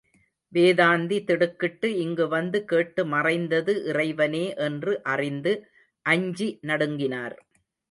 வேதாந்தி திடுக்கிட்டு இங்கு வந்து கேட்டு மறைந்தது இறைவனே என்று அறிந்து அஞ்சி நடுங்கினார்.